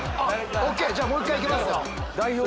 じゃあもう１回行けますよ。